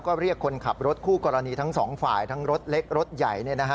ก็เรียกคนขับรถคู่กรณีทั้งสองฝ่ายทั้งรถเล็กรถใหญ่